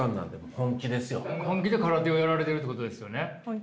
本気で空手をやられてるってことですよね？